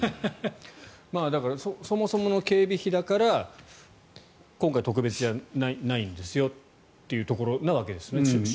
だから、そもそも警備費だから今回、特別じゃないんですよということですよね。